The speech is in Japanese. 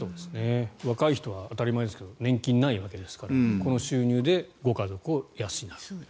若い人は当たり前ですが年金、ないわけですからこの収入でご家族を養う。